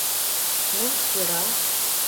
Мом сӧра?